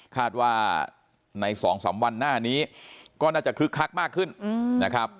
คาดว่าใน๒๓วันหน้านี้ก็น่าจะคึกคักมากขึ้นนะครับ